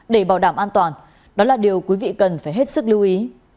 để bảo đảm an toàn đó là điều quý vị cần phải hết sức lưu ý